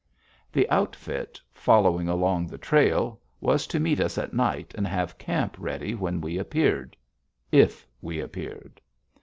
The outfit, following along the trail, was to meet us at night and have camp ready when we appeared if we appeared.